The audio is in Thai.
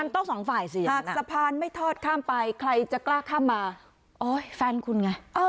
ถ้าสะพานไม่ทอดข้ามไปใครจะกล้าข้ามมาโอ้ยแฟนคุณไง